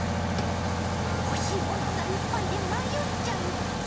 欲しいものがいっぱいで迷っちゃうって？